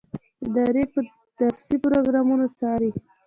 ادارې به درسي پروګرامونه وڅاري.